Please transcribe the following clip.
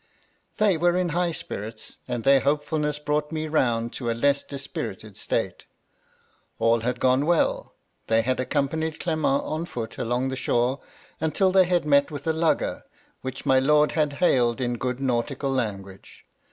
They were in high spirits, and their hopefulness brought me round to a less dispirited state. All had gone well: they had accompanied Clement on foot along the shore, until they had met with a lugger, which my lord had hailed in good nau tical language.